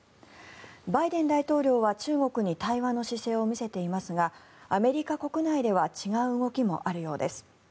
バイデン大統領は中国に対話の姿勢を見せていますがアメリカ国内では違う動きもあるようです。